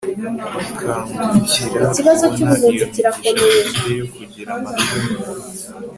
bakangukira kubona iyo migisha bafite yo kugira amatunda